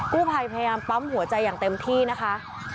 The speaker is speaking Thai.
กู้ภัยพยายามปั๊มหัวใจอย่างเต็มที่นะคะ